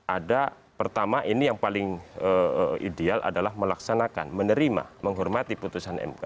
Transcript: ada pertama ini yang paling ideal adalah melaksanakan menerima menghormati putusan mk